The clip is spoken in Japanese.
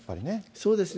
そうですね。